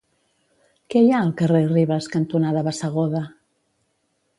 Què hi ha al carrer Ribes cantonada Bassegoda?